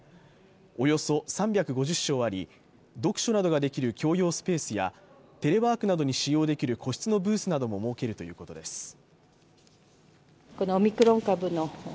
およそ３５０床あり、読書などができる共用スペースやテレワークなどに使用できる個室のブースなども設けるということです。